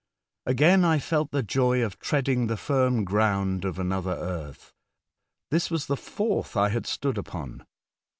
Again I felt the joy of treading the firm ground of another world. This was the fourth I had stood upon.